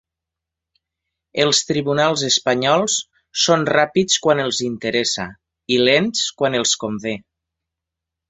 Els tribunals espanyols són ràpids quan els interessa i lents quan els convé.